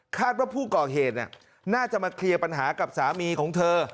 ว่าผู้ก่อเหตุน่าจะมาเคลียร์ปัญหากับสามีของเธอ